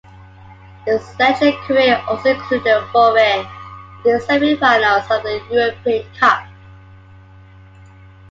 His Legia career also included a foray into the semi-finals of the European Cup.